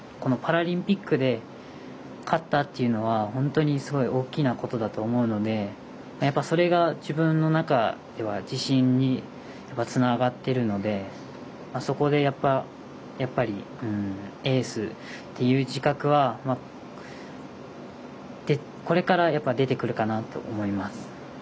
パラリンピックで勝ったというのは本当にすごい大きなことだと思うのでそれが自分の中では自信にやっぱりつながっているのでやっぱりエースという自覚はこれから出てくるかなと思います。